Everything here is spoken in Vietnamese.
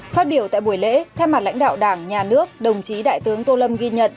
phát biểu tại buổi lễ theo mặt lãnh đạo đảng nhà nước đồng chí đại tướng tô lâm ghi nhận